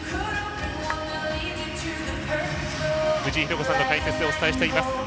藤井寛子さんの解説でお伝えしています。